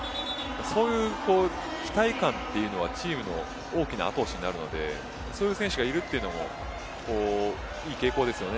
そういう期待感というのはチームの大きな後押しになるのでそういう選手がいるというのもいい傾向ですよね